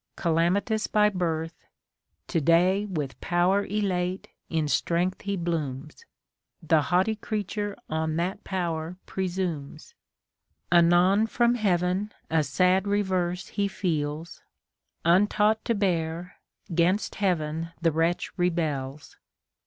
calamitous by birth : To day, with power elate, in strengtli lie blooms ; Tlie haughty creature on that power presumes :' Anon from Heaven a sad reverse he feels ; Untaught to bear, 'gainst Heaven the wretch rebels.